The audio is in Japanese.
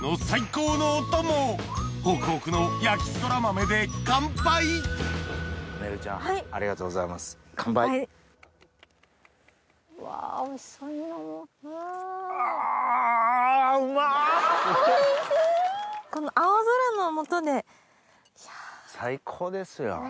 最高ですよ。